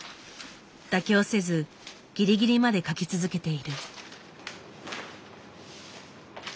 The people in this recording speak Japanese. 妥協せずギリギリまで描き続けている。